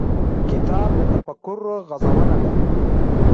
کتاب د تفکر غزونه ده.